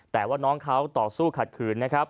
แต่ว่าน้องเขาต่อสู้ขัดขืนนะครับ